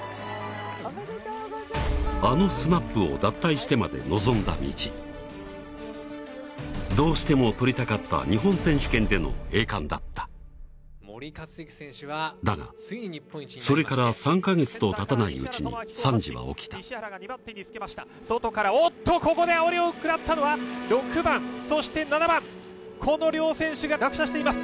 あの「ＳＭＡＰ」を脱退してまで望んだ道どうしても取りたかった日本選手権での栄冠だっただがそれから３か月と経たないうちに惨事は起きた外からおっとここであおりを食らったのは６番そして７番この両選手が落車しています